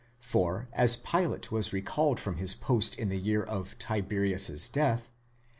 For as Pilate was recalled from his post in the year of Tiberius's death